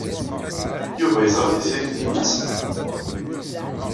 Yuba yeẓra Tiziri d yemma-s?